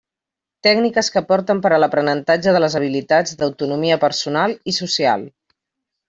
Tècniques que aporten per a l'aprenentatge de les habilitats d'autonomia personal i social.